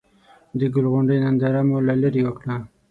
د ګل غونډۍ ننداره مو له ليرې وکړه.